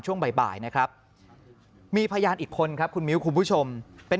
ช่วงบ่ายนะครับมีพยานอีกคนครับคุณมิ้วคุณผู้ชมเป็น